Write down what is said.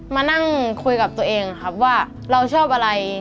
มานั่งคุยกับตัวเองครับว่าเราชอบอะไร